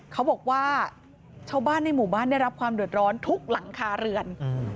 ชาวบ้านในหมู่บ้านได้รับความเดือดร้อนทุกหลังคาเรือน